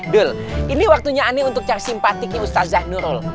dul ini waktunya ane untuk cari simpatiknya ustadz zahnurul